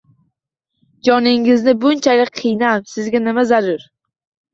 Joningizni bunchalik qiynab, sizga nima zarur?